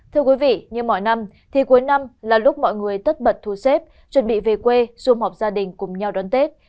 thưa quý vị như mọi năm thì cuối năm là lúc mọi người tất bật thu xếp chuẩn bị về quê xung họp gia đình cùng nhau đón tết